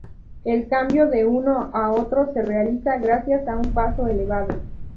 El cambio de uno a otro se realiza gracias a un paso elevado.